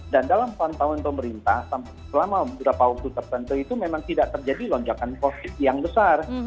dan dalam pantauan pemerintah selama sudah pautu tertentu itu memang tidak terjadi lonjakan positif yang besar